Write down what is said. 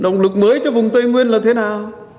động lực mới cho vùng tây nguyên là thế nào